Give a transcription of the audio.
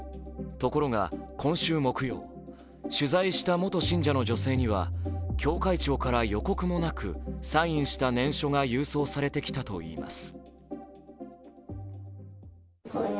ところが今週木曜取材した元信者の女性には教会長から予告もなく、サインした念書が郵送されてきたといいます。